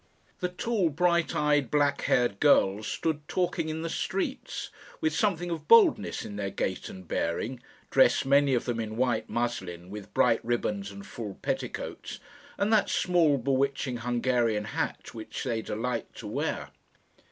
The tall bright eyed black haired girls stood talking in the streets, with something of boldness in their gait and bearing, dressed many of them in white muslin, with bright ribbons and full petticoats, and that small bewitching Hungarian hat which they delight to wear.